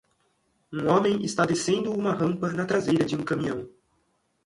Um homem está descendo uma rampa na traseira de um caminhão.